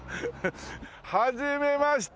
はじめまして。